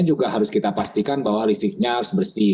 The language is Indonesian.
juga harus kita pastikan bahwa listriknya harus bersih